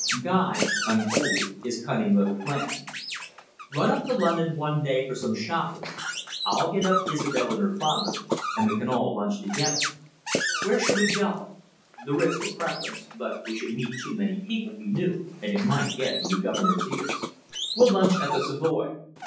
Guy unfolded his cunning little plan. "Run up to London one day for some shopping. I'll get up Isobel and her father, and we can all lunch together. Where shall we go? The Ritz for preference, but we should meet too many people we knew, and it might get to the Governor's ears. We'll lunch at the Savoy."